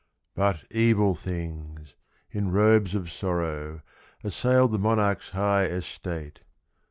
But evil things, in robes of sorrow, Assailed the monarch's high estate.